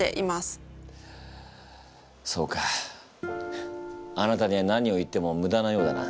そうかあなたには何を言ってもむだなようだな。